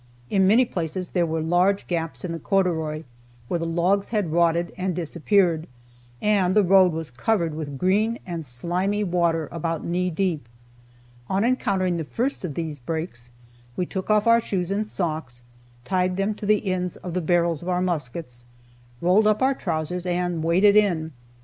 In many places there were large gaps in the corduroy, where the logs had rotted and disappeared, and the road was covered with green and slimy water about knee deep. On encountering the first of these breaks, we took off our shoes and socks, tied them to the ends of the barrels of our muskets, rolled up our trousers, and waded in.